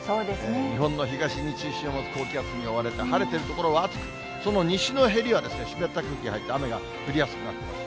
日本の東に中心を持つ高気圧に覆われて、晴れてる所は暑く、その西のへりは、湿った空気が入って雨が降りやすくなっています。